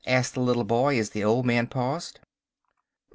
asked the little boy as the old man paused.